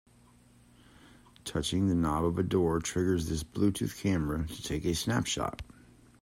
Touching the knob of the door triggers this Bluetooth camera to take a snapshot.